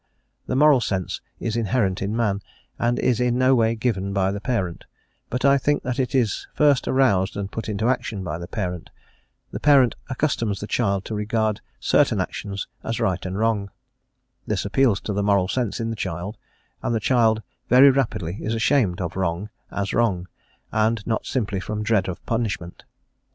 The moral sense is inherent in man, and is in no way given by the parent; but I think that it is first aroused and put into action by the parent; the parent accustoms the child to regard certain actions as right and wrong; this appeals to the moral sense in the child, and the child very rapidly is ashamed of wrong, as wrong, and not simply from dread of punishment.